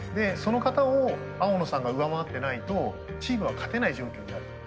その方を青野さんが上回ってないとチームは勝てない状況にある。